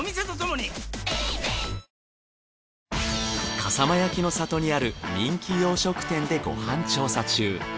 笠間焼の里にある人気洋食店でご飯調査中。